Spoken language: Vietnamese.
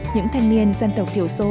những thanh niên dân tộc thiểu số